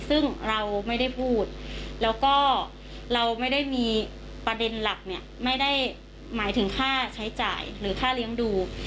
ซึ่งเราไม่ได้พูดแล้วก็เราไม่ได้มีประเด็นหลักเนี่ยไม่ได้หมายถึงค่าใช้จ่ายหรือค่าเลี้ยงดู